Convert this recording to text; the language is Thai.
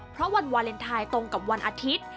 เพราะวันวาเลนไทยตรงกับวันอาทิตย์